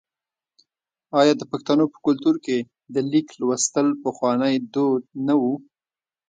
آیا د پښتنو په کلتور کې د لیک لوستل پخوانی دود نه و؟